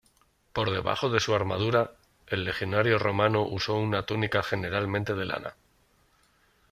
Por debajo de su armadura, el legionario romano usó una túnica generalmente de lana.